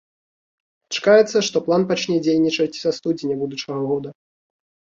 Чакаецца, што план пачне дзейнічаць са студзеня будучага года.